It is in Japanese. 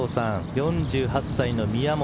４８歳の宮本